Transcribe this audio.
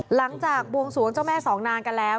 หลังจากบวงสวงเจ้าแม่สองนางกันแล้ว